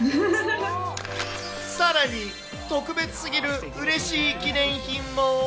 さらに、特別すぎるうれしい記念品も。